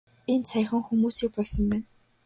Энд саяхан хүмүүсийг булсан байна.